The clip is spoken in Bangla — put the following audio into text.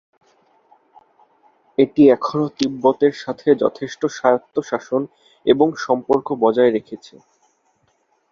এটি এখনও তিব্বতের সাথে যথেষ্ট স্বায়ত্তশাসন এবং সম্পর্ক বজায় রেখেছে।